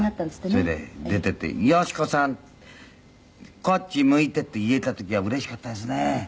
「それで出て行って“ヨシコさんこっち向いて”って言えた時はうれしかったですね」